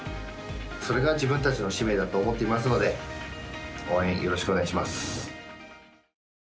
それが自分たちの使命だと思っていますので応援、よろしくお願いします。